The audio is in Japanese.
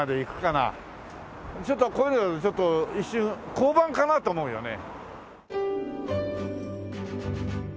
ちょっとこういうの一瞬交番かなと思うよね。